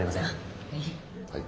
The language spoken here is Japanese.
はい。